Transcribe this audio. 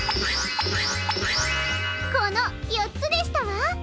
このよっつでしたわ。